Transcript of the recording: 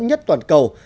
nhất toàn cầu